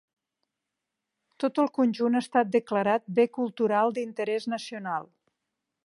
Tot el conjunt ha estat declarat Bé Cultural d'Interès Nacional.